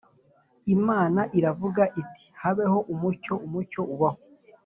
Imana iravuga iti “Habeho umucyo”, umucyo ubaho.